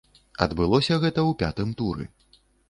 Адбылося гэта ў пятым туры.